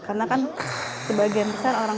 karena kan sebagian besar orang